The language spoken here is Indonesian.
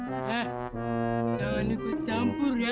jangan ikut campur ya